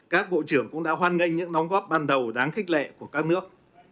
các bộ trưởng cũng đã hoan nghênh những đóng góp ban đầu đáng khích lệ của các nước